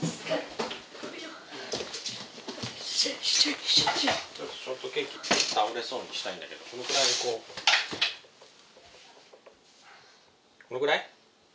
よいしょちょっとショートケーキ倒れそうにしたいんだけどこのぐらいこうこのぐらい？